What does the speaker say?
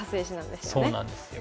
そうなんですよ。